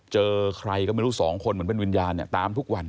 เจอใครก็ไม่รู้สองคนเหมือนเป็นวิญญาณเนี่ยตามทุกวัน